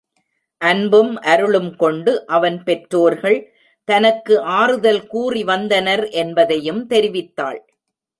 அன்பும் அருளும் கொண்டு அவன் பெற் றோர்கள் தனக்கு ஆறுதல் கூறி வந்தனர் என்பதையும் தெரிவித்தாள்.